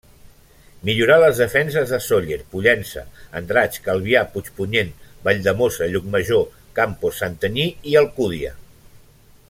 Millorà les defenses de Sóller, Pollença, Andratx, Calvià, Puigpunyent, Valldemossa, Llucmajor, Campos, Santanyí i Alcúdia.